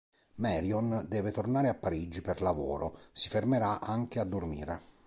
Marion deve tornare a Parigi per lavoro, si fermerà anche a dormire.